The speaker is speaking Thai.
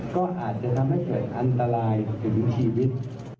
ก็อาจจะทำให้เกิดอันตรายถึงชีวิต